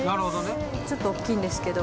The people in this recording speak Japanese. ちょっとおっきいんですけど。